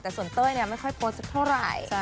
แต่ส่วนเต้ยไม่ค่อยโพสต์สักเท่าไหร่